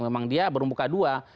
memang dia berbuka dua